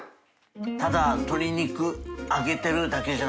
燭牲榮揚げてるだけじゃない。